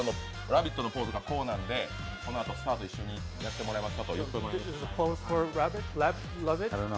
「ラヴィット！」のポーズがこうなので、このあとスタートと一緒にやっていただけますか？